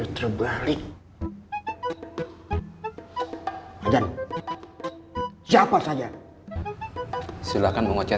tapi bagaimana tupu bisa mengangkat